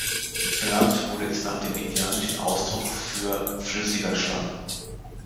Benannt wurde es nach dem indianischen Ausdruck für "flüssiger Schlamm".